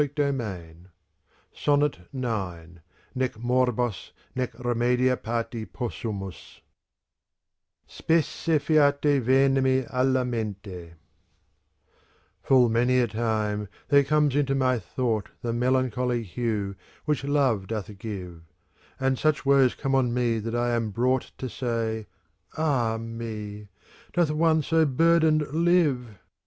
CANZONIERE SONNET IX 6^ Y.^..] " NEC MORBOS, NEC REMEDIA PATI POSSUMUS Speisejiate •venemi alia mente Full many a time there comes into my thought The melancholy hue which Love doth give, And such woes come on me that I am brought To say, "Ah me ! doth one so burdened live